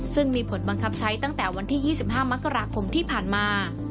ซึ่งมีผลบังคับใช้ตั้งแต่วันที่๒๕มกราคมที่ผ่านมา